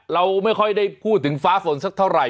เราไม่ค่อยได้พูดถึงฟ้าฝนสักเท่าไหร